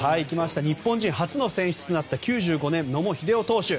日本人初の選出となった９５年野茂英雄投手。